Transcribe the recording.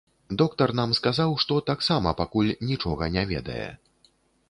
Доктар нам сказаў, што таксама пакуль нічога не ведае.